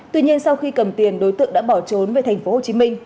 tuy nhiên sau khi cầm tiền đối tượng đã bỏ trốn về tp hcm